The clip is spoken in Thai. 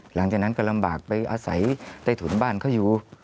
หลังจากนั้นก็ลำบากไปอาศัยใต้ถุนบ้านเขาอยู่